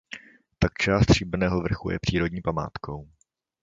Také část Stříbrného vrchu je přírodní památkou.